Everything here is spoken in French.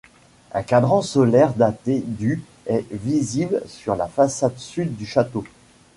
Un cadran solaire daté du est visible sur la façade sud du Château.